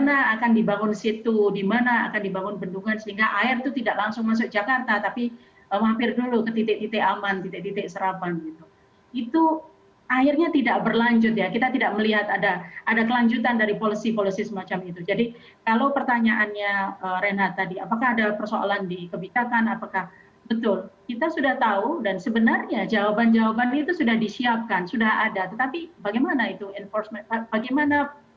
akibatnya begini tahun depan kita lihat mungkin akan begini lagi atau mungkin justru mungkin